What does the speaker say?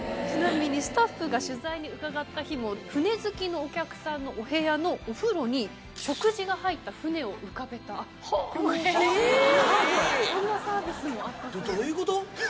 ちなみにスタッフが取材に伺った日も、船好きのお客さんのお部屋のお風呂に、食事が入った船ええっ。